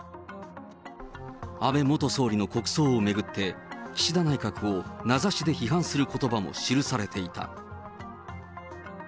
安倍元総理の国葬を巡って、岸田内閣を名指しで批判することばも記されていた。